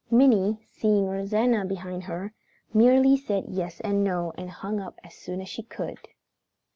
Minnie, seeing Rosanna behind her, merely said yes and no and hung up as soon as she could.